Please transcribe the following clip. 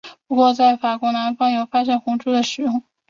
不过在法国南方有发现红赭的使用。